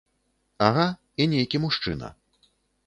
Ага, і нейкі мужчына.